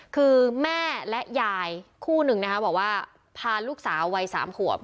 คือแม่และยายคู่หนึ่งนะคะบอกว่าพาลูกสาววัย๓ขวบ